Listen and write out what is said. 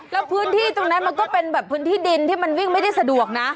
แล้วพื้นที่ตรงนั้นมันก็เป็นแบบพื้นที่ดินที่มันวิ่งไม่ได้สะดวกนะ